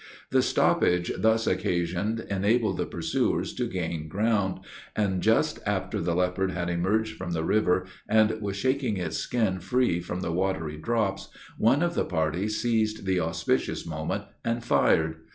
The stoppage thus occasioned enabled the pursuers to gain ground, and, just after the leopard had emerged from the river, and was shaking its skin free from the watery drops, one of the party seized the auspicious moment, and fired.